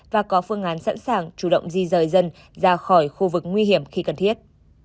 và có phương án sẵn sàng chủ động di rời dân ra khỏi khu vực nguy hiểm khi cần thiết